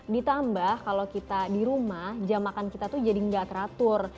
ditambah kalau kita di rumah jam makan kita tuh jadi nggak teratur